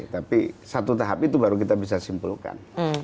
tapi satu tahap itu baru kita bisa simpulkan